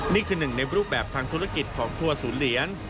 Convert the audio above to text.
นี่คือหนึ่งในรูปแบบทางธุรกิจของทัวร์ศูนย์เหรียญ